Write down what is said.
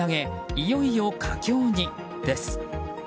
いよいよ佳境に、です。